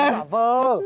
nó giả vờ